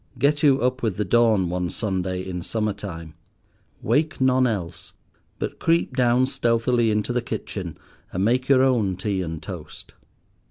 Get you up with the dawn one Sunday in summer time. Wake none else, but creep down stealthily into the kitchen, and make your own tea and toast.